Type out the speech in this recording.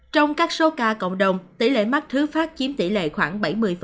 trong các số ca cộng đồng tỷ lệ mắc thứ phát chiếm tỷ lệ khoảng bảy mươi